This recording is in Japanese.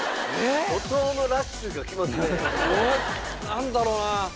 何だろな。